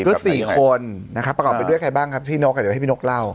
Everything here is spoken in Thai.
ก็๔คนนะครับประกอบไปด้วยใครบ้างครับพี่นกเดี๋ยวให้พี่นกเล่า